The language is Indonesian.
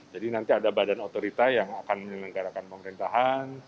jadi nanti ada badan otorita yang akan menyelenggarakan pemerintahan